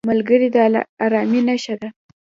ملګری د ارامۍ نښه ده